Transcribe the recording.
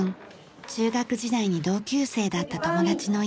中学時代に同級生だった友達の家。